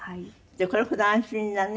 これほど安心なね。